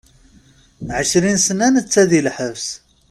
Ɛecrin-sna netta di lḥebs.